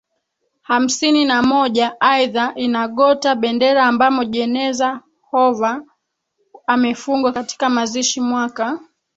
hamsini na moja Aidha ina gota bendera ambamo jeneza Hoover amefungwa katika mazishiMwaka